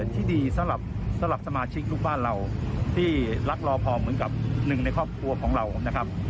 ที่ดีสำหรับสมาชิกลูกบ้านเราที่รักรอพอเหมือนกับหนึ่งในครอบครัวของเรานะครับ